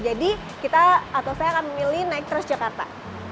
jadi kita atau saya akan memilih naik transjakarta